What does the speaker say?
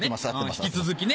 引き続きね。